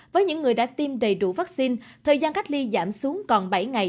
với những người đã tiêm đầy đủ vaccine thời gian cách ly giảm xuống còn bảy ngày